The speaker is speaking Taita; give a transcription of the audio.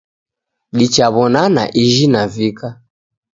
Dichaw'onana ijhi navika